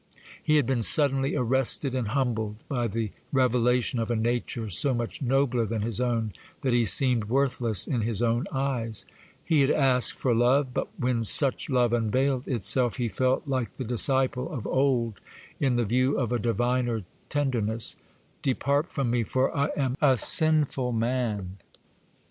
He had been suddenly arrested and humbled by the revelation of a nature so much nobler than his own that he seemed worthless in his own eyes: he had asked for love; but when such love unveiled itself, he felt like the disciple of old in the view of a diviner tenderness,—'Depart from me, for I am a sinful man.